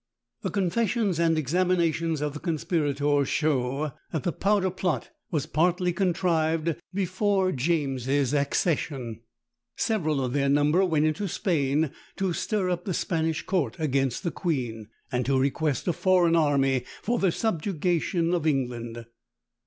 The confessions and examinations of the conspirators show that the powder plot was partly contrived before James's accession. Several of their number went into Spain to stir up the Spanish court against the queen, and to request a foreign army for the subjugation of England.